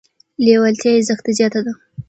لیوالتیا یې زښته زیاته ده.